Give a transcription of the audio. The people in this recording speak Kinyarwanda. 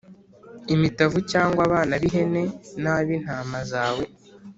imitavu cyangwa abana b’ihene n’ab’intama zawe